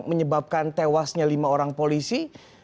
menyebabkan tewasnya lima orang polisi